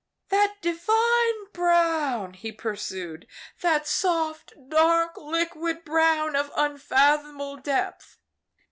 "'That divine brown,' he pursued,' that soft, dark, liquid brown of unfathomable depth!'